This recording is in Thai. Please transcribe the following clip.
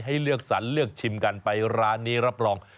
ให้เลือกสรรเลือกชิมกันไปร้านนี้รับรอง